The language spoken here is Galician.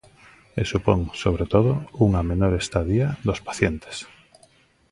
E supón, sobre todo, unha menor estadía dos pacientes.